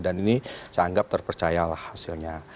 dan ini saya anggap terpercaya lah hasilnya